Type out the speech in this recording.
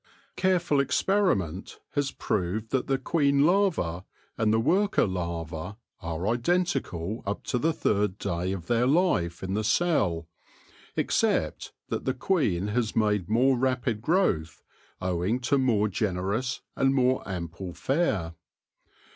Careful experiment has proved that the queen larva and the worker larva are iden tical up to the third day of their life in the cell, except that the queen has made more rapid growth owing to more generous and more ample fare.